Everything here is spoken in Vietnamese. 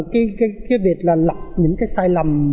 cái việc là lập những cái sai lầm